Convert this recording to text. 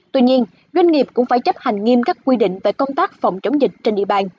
tuy nhiên doanh nghiệp cũng phải chấp hành nghiêm các quy định về công tác phòng chống dịch trên địa bàn